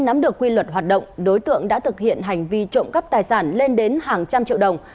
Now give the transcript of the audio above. nắm được quy luật hoạt động đối tượng đã thực hiện hành vi trộm cắp tài sản lên đến hàng trăm triệu đồng